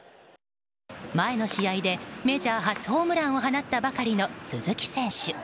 前の試合でメジャー初ホームランを放ったばかりの鈴木選手。